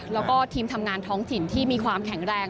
แล้วก็ทีมทำงานท้องถิ่นที่มีความแข็งแรง